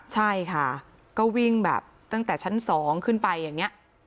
ใช่ค่ะก็วิ่งแบบตั้งแต่ชั้น๒ขึ้นไปอย่างนี้